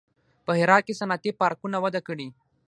په هرات کې صنعتي پارکونه وده کړې